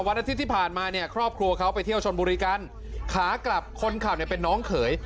อาทิตย์ที่ผ่านมาเนี่ยครอบครัวเขาไปเที่ยวชนบุรีกันขากลับคนขับเนี่ยเป็นน้องเขย